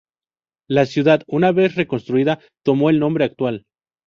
La ciudad, una vez reconstruida, tomó el nombre actual.